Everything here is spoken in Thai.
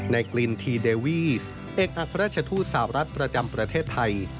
กลินทีเดวีสเอกอัครราชทูตสาวรัฐประจำประเทศไทย